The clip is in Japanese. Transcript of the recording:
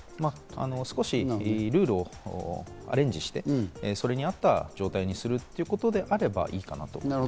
少しルールをアレンジして、それに合った状態にするということであれば、いいかなと思います。